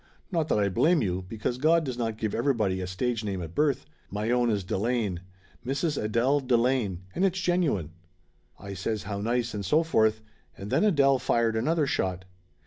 Not that I blame you, because God does not give everybody a stage name at birth. My own is De lane. Mrs. Adele Delane; and it's genuine." I says how nice and so forth, and then Adele fired another shot.